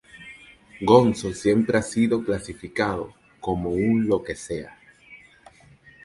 Gonzo siempre ha sido clasificado como un `lo que sea´.